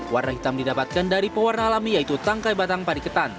warna hitam didapatkan dari pewarna alami yaitu tangkai batang pariketan